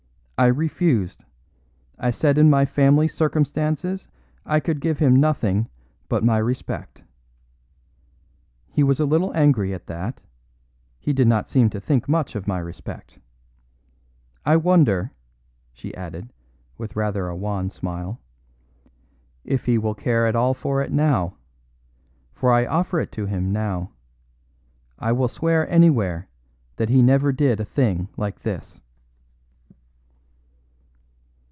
I refused; I said in my family circumstances I could give him nothing but my respect. He was a little angry at that; he did not seem to think much of my respect. I wonder," she added, with rather a wan smile, "if he will care at all for it now. For I offer it him now. I will swear anywhere that he never did a thing like this."